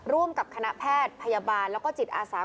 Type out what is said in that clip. ร่วมกับคณะแพทย์พยาบาลแล้วก็จิตอาสา